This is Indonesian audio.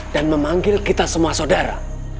dan memanggil kita semua saudara